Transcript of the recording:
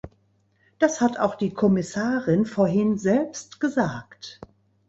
Das hat auch die Kommissarin vorhin selbst gesagt.